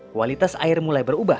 kualitas air mulai berubah